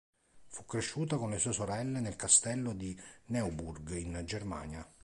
Fu cresciuta con le sue sorelle nel castello di Neuburg in Germania.